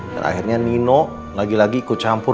dan akhirnya nino lagi lagi ikut campur